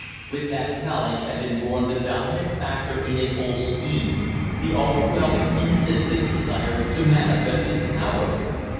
With that knowledge had been born the dominant factor in his whole scheme the overwhelming, insistent desire to manifest his power.